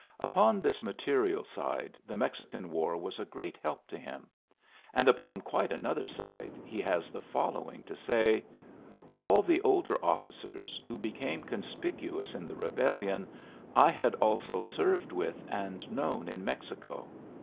Upon this material side the Mexican War was a great help to him ; and upon quite another side he has the following to say: "All the older officers, who became conspicuous in the Eebellion, I had also served with and known in Mexico.